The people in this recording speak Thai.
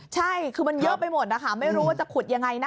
ใช่คือมันเยอะไปหมดนะคะไม่รู้ว่าจะขุดยังไงนะคะ